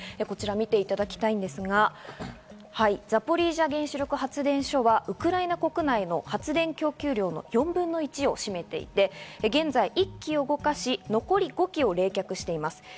こちらを見ていただきたいんですが、ザポリージャ原子力発電所はウクライナ国内の発電供給量の４分の１を占めていて、現在１基を動かし、残り５基を冷却しています。